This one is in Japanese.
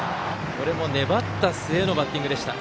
これも粘った末のバッティングでした。